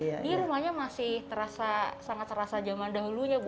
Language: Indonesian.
ini rumahnya masih terasa sangat terasa zaman dahulunya bu